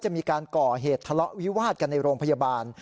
มีการก่อเหตุทะเลาะวิวาดกันในโรงพยาบาล